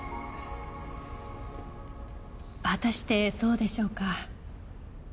果たしてそうでしょうか？